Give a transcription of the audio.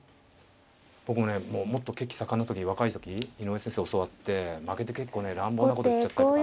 僕もねもっと血気盛んな時若い時井上先生に教わって負けて結構ね乱暴なこと言っちゃったりとか。